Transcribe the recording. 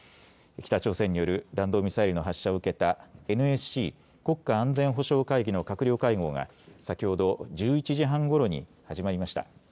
北朝鮮による弾道ミサイルの発射を受けたＮＳＣ・国家安全保障会議の閣僚会合が先ほど１１時半ごろに始まりました。